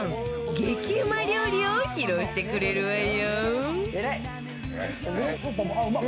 激うま料理を披露してくれるわよ